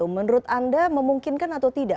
menurut anda memungkinkan atau tidak